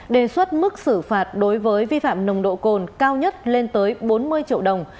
đề xuất mức xử phạt đối với vi phạm nồng độ cồn cao nhất lên tới bốn mươi triệu đồng